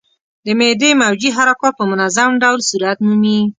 د معدې موجې حرکات په منظم ډول صورت مومي.